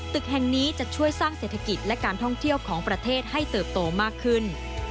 ตึกแห่งนี้จะช่วยสร้างเศรษฐกิจและการท่องเที่ยวของประเทศให้เติบโตมากขึ้น